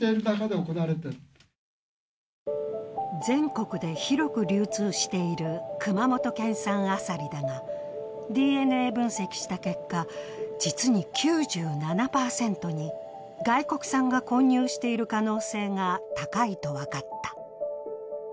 全国で広く流通している熊本県産アサリだが、ＤＮＡ分析した結果、実に９７％に外国産が混入している可能性が高いと分かった。